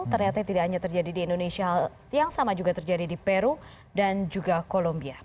ternyata tidak hanya terjadi di indonesia yang sama juga terjadi di peru dan juga kolombia